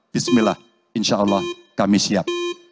bismillah insya allah kami siap